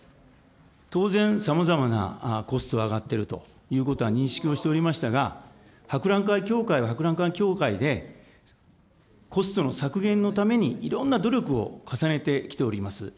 当然、さまざまなコストが上がっているということは認識をしておりましたが、博覧会協会は博覧会協会で、コストの削減のためにいろんな努力を重ねてきております。